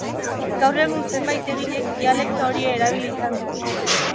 Gaur egun zenbait egilek dialekto hori erabili izan du.